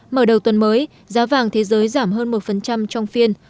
mở đầu tuần mới giá vàng thế giới giảm hơn một trong phiên